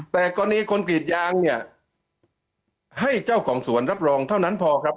แต่กรณีคนกรีดยางเนี่ยให้เจ้าของสวนรับรองเท่านั้นพอครับ